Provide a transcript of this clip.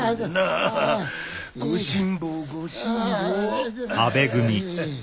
ご辛抱ご辛抱フフ。